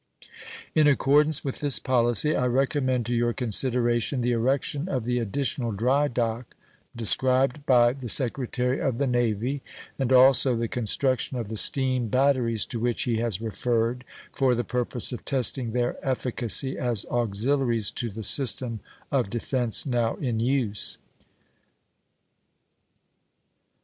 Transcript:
In accordance with this policy, I recommend to your consideration the erection of the additional dry dock described by the Secretary of the Navy, and also the construction of the steam batteries to which he has referred, for the purpose of testing their efficacy as auxiliaries to the system of defense now in use.